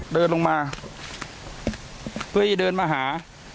เดินลงมาเพื่อให้เดินมาหา